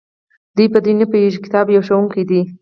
دوی په دې نه پوهیږي چې کتاب یو ښوونکی دی.